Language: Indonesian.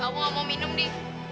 aku gak mau minum di